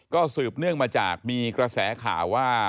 ก็สืบเนื่องมาจากมีกระแสข่าวว่า